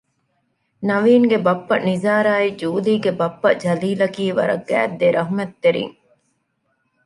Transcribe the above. ނަވީންގެ ބައްޕަ ނިޒާރާއި ޖޫލީގެ ބައްޕަ ޖަލީލަކީ ވަރަށް ގާތް ދެރަޙްމަތްތެރިން